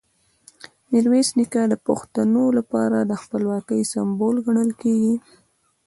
میرویس نیکه د پښتنو لپاره د خپلواکۍ سمبول ګڼل کېږي.